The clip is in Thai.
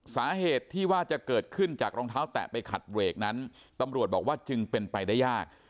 สาเหตุที่ว่าจะเกิดขึ้นจากรองเท้าแตะไปขัดเบรกนั้นตำรวจบอกว่าจึงเป็นไปได้ยาก